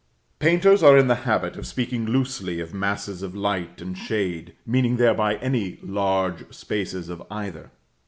Painters are in the habit of speaking loosely of masses of light and shade, meaning thereby any large spaces of either.